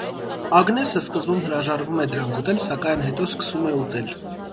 Ագնեսը սկզբում հրաժարվում է դրանք ուտել, սակայն հետո սկսում է ուտել։